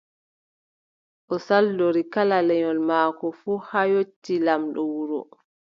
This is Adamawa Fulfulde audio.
O saldori kala lenyol maako fuu, haa yotti laamɗo wuro.